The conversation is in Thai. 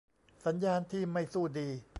สัญญาณที่ไม่สู้ดี